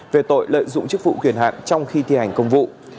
về tội lợi dụng chức vụ quyền hạn trong khi thi hành công vụ